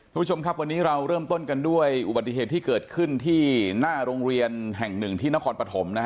คุณผู้ชมครับวันนี้เราเริ่มต้นกันด้วยอุบัติเหตุที่เกิดขึ้นที่หน้าโรงเรียนแห่งหนึ่งที่นครปฐมนะฮะ